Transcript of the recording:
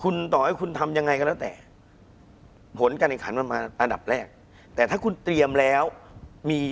คุณผู้ชมบางท่าอาจจะไม่เข้าใจที่พิเตียร์สาร